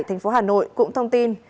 thành phố hà nội cũng thông tin